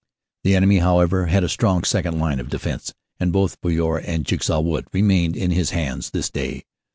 The enemy, however, had a strong second line of defense and both Boiry and Jigsaw Wood remained in his hands this day.